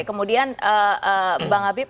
kemudian bang habib